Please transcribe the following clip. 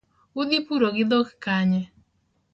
Udhi puro gi dhok kanye?